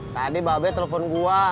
tadi babet telfon gua